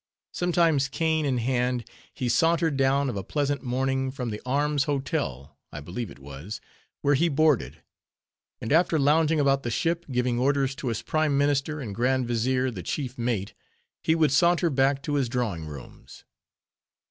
Sometimes, cane in hand, he sauntered down of a pleasant morning from the Arms Hotel, I believe it was, where he boarded; and after lounging about the ship, giving orders to his Prime Minister and Grand Vizier, the chief mate, he would saunter back to his drawing rooms.